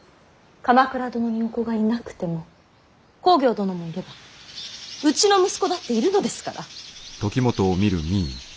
鎌倉殿にお子がいなくても公暁殿もいればうちの息子だっているのですから。